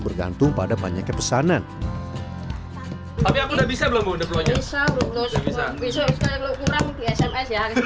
bergantung pada banyaknya pesanan tapi aku udah bisa belum udah bisa bisa